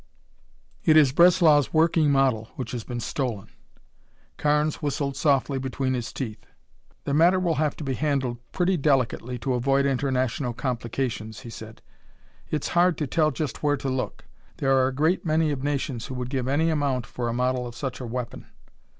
It is Breslau's working model which has been stolen." Carnes whistled softly between his teeth. "The matter will have to be handled pretty delicately to avoid international complications," he said. "It's hard to tell just where to look. There are a great many nations who would give any amount for a model of such a weapon."